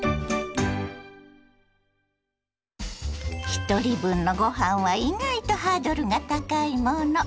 ひとり分のごはんは意外とハードルが高いもの。